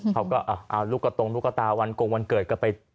เขาก็เอาลูกกระตงลูกตาวันกงวันเกิดก็ไป